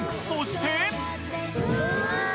そして。